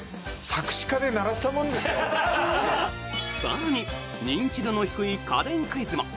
更に認知度の低い家電クイズも。